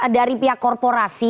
dari pihak korporasi